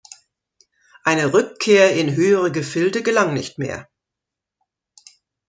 Eine Rückkehr in höhere Gefilde gelang nicht mehr.